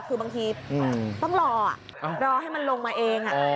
คือบางทีต้องรอรอให้มันลงมาเอง